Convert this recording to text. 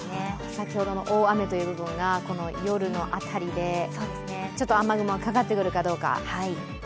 先ほどの大雨という部分がこの夜の辺りで、雨雲がかかってくるかどうか。